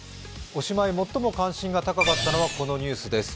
おしまい、最も関心が高かったのはこのニュースです。